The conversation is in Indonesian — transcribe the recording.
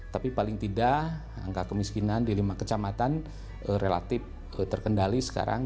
tapi paling tidak angka kemiskinan di lima kecamatan relatif terkendali sekarang